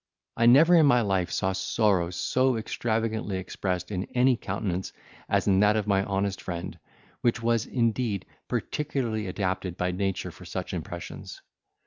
I never in my life saw sorrow so extravagantly expressed in any countenance as in that of my honest friend, which was, indeed, particularly adapted by nature for such impressions.